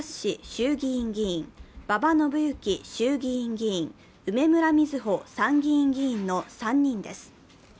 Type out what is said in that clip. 衆議院議員、馬場伸幸衆議院議員、梅村みずほ参議院議員の３人です。